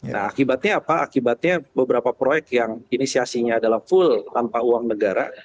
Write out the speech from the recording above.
nah akibatnya apa akibatnya beberapa proyek yang inisiasinya adalah full tanpa uang negara